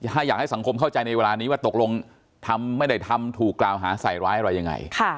ถ้าอยากให้สังคมเข้าใจในเวลานี้ว่าตกลงทำไม่ได้ทำถูกกล่าวหาใส่ร้ายอะไรยังไง